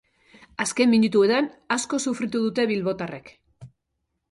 Azken minutuetan asko sufritu dute bilbotarrek.